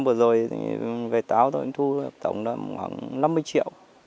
vừa rồi về táo tôi cũng thu tầm khoảng năm mươi triệu